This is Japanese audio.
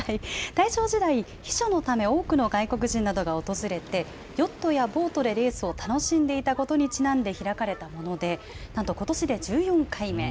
大正時代、避暑のため、外国人が多く訪れて、ヨットやボートでレースを楽しんでいたことにちなんで開かれたもの、なんとことしで１４回目。